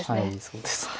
そうですね。